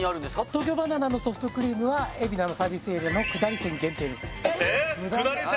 東京ばな奈のソフトクリームは海老名のサービスエリアの下り線限定ですえっ下り線？